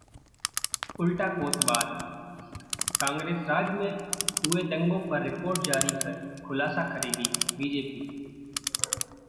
उल्टा कोतवाल...कांग्रेस राज में हुए दंगों पर रिपोर्ट जारी कर ‘खुलासा’ करेगी बीजेपी!